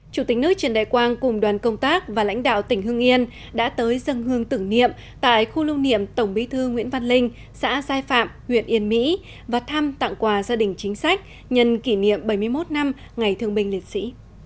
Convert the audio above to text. chủ tịch nước trần đại quang cùng đoàn công tác và lãnh đạo tỉnh hương yên đã tới dân hương tưởng niệm tại khu lưu niệm tổng bí thư nguyễn văn linh xã sai phạm huyện yên mỹ và thăm tặng quà gia đình chính sách nhân kỷ niệm bảy mươi một năm ngày thương binh liệt sĩ